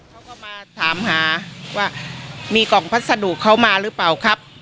เขาก็มาถามหาว่ามีกล่องพัสดุเขามาหรือเปล่าครับ